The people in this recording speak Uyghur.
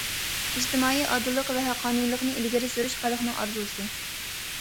ئىجتىمائىي ئادىللىق ۋە ھەققانىيلىقنى ئىلگىرى سۈرۈش خەلقنىڭ ئارزۇسى.